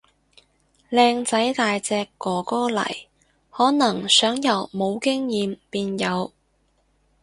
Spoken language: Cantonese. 靚仔大隻哥哥嚟，可能想由冇經驗變有